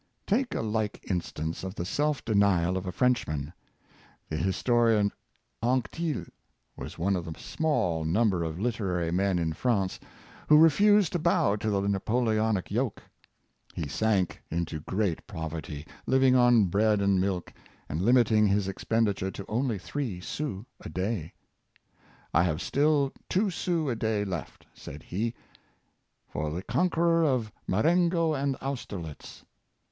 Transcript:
Take a like instance of the self denial ot a French man. The historian Anquetil was one of the small number of literary men in France who refused to bow to the Napoleonic yoke. He sank into great poverty, living on bread and milk, and limiting his expenditure to only three sous a day. I have still two sous a day left," said he, " for the conqueror of Marengo and Austerlitz."